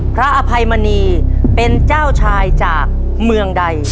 อภัยมณีเป็นเจ้าชายจากเมืองใด